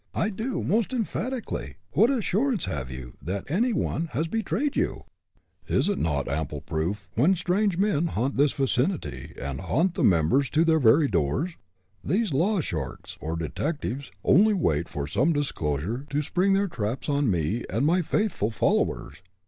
"I do most emphatically. What assurance have you, that any one has betrayed you?" "Is it not ample proof, when strange men haunt this vicinity, and haunt the members to their very doors? These law sharks, or detectives, only wait for some disclosure, to spring their traps on me and my faithful followers."